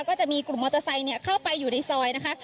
ก็จะมีกลุ่มมอเตอร์ไซค์เข้าไปอยู่ในซอยนะคะ